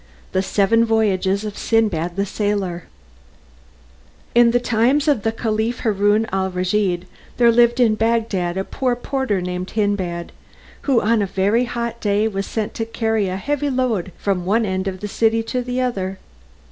The Seven Voyages of Sindbad the Sailor In the times of the Caliph Haroun al Raschid there lived in Bagdad a poor porter named Hindbad, who on a very hot day was sent to carry a heavy load from one end of the city to the other.